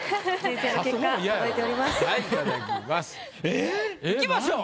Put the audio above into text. ええっ？いきましょう。